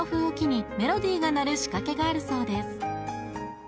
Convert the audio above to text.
おきにメロディーが鳴る仕掛けがあるそうです